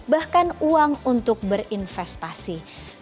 bahkan uang untuk berinvestasi